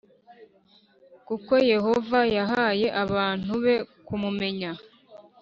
kuko Yehova yahaye abantu be kumumenya